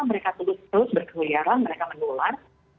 mereka terus berkeliaran mereka menular